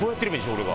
俺が。